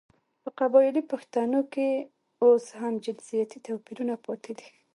په قبايلي پښتانو کې اوس هم جنسيتي تواپيرونه پاتې دي .